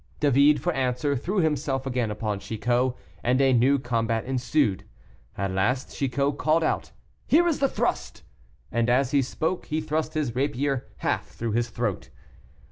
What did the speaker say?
David, for answer, threw himself again upon Chicot, and a new combat ensued. At last Chicot called out, "Here is the thrust," and as he spoke, he thrust his rapier half through his throat.